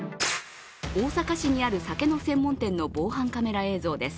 大阪市にある酒の専門店の防犯カメラ映像です。